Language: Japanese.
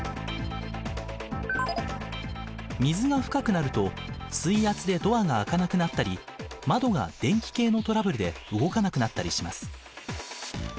水が深くなると水圧でドアが開かなくなったり窓が電気系のトラブルで動かなくなったりします。